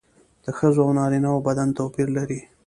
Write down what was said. د ښځو او نارینه وو بدن توپیر لري